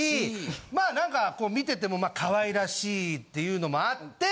まあ何か見てても可愛らしいっていうのもあって。